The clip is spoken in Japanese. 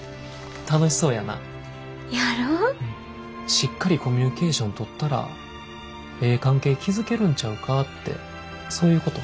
しっかりコミュニケーション取ったらええ関係築けるんちゃうかってそういうこと？